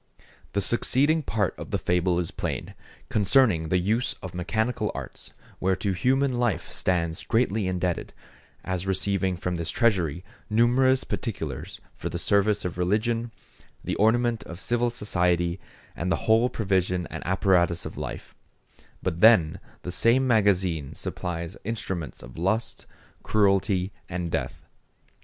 The succeeding part of the fable is plain, concerning the use of mechanic arts, whereto human life stands greatly indebted, as receiving from this treasury numerous particulars for the service of religion, the ornament of civil society, and the whole provision and apparatus of life; but then the same magazine supplies instruments of lust, cruelty, and death.